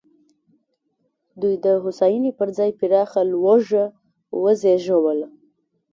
دوی د هوساینې پر ځای پراخه لوږه وزېږوله.